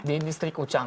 di distrik ucang